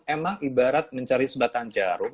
emang ibarat mencari sebatang jarum